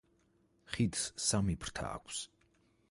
ხიდს სამი ფრთა აქვს.